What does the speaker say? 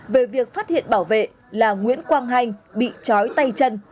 về việc phát hiện bảo vệ là nguyễn quang hanh bị chói tay chân